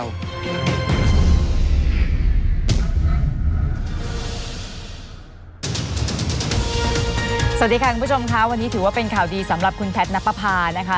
สวัสดีค่ะคุณผู้ชมค่ะวันนี้ถือว่าเป็นข่าวดีสำหรับคุณแพทย์นับประพานะคะ